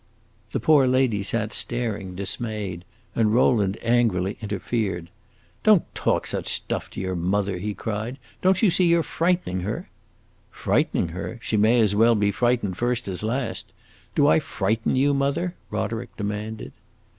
The poor lady sat staring, dismayed, and Rowland angrily interfered. "Don't talk such stuff to your mother!" he cried. "Don't you see you 're frightening her?" "Frightening her? she may as well be frightened first as last. Do I frighten you, mother?" Roderick demanded.